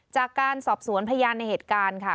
จากการสอบสวนพยานในเหตุการณ์ค่ะ